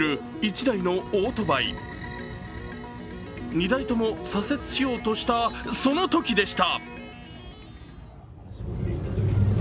２台とも左折しようとしたその時でした。